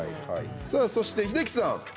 さあ、そして、英樹さん。